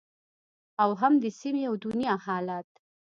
او هم د سیمې او دنیا حالت